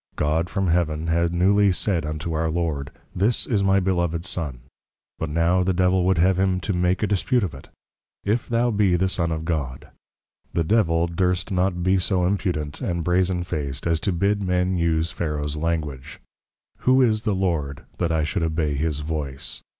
God from Heaven, had newly said unto our Lord, this is my Beloved Son; but now the Devil would have him to make a dispute of it, If thou be the son of God. The Devil durst not be so Impudent, and Brasen fac'd, as to bid men use Pharaohs Language, _Who is the Lord, that I should obey his voice?